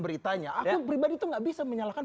beritanya aku pribadi tuh nggak bisa menyalahkan